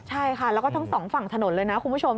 ใช่ค่ะแล้วก็ทั้งสองฝั่งถนนเลยนะคุณผู้ชม